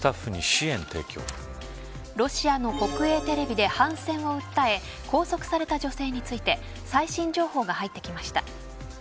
ロシアの国営テレビで反戦を訴え拘束された女性について最新情報が入ってきました。